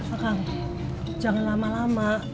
akang jangan lama lama